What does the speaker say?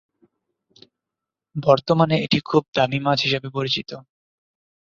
বর্তমানে এটি খুব দামী মাছ হিসাবে পরিচিত।